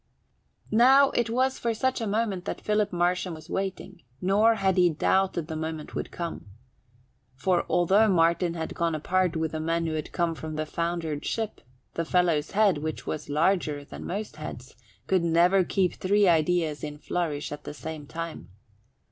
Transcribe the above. Now it was for such a moment that Philip Marsham was waiting, nor had he doubted the moment would come. For although Martin had gone apart with the men who had come from the foundered ship, the fellow's head, which was larger than most heads, could never keep three ideas in flourish at the same time.